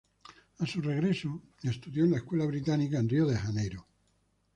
A su regreso, estudió en la Escuela Británica en Río de Janeiro.